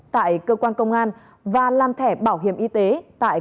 tại cơ quan công an và làm thẻ bảo hiểm y tế tại cơ quan công an